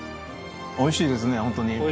おいしいですねホントに。